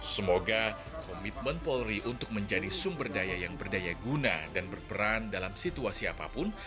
semoga komitmen polri untuk menjadi sumber daya yang berdaya guna dan berperan dalam situasi apapun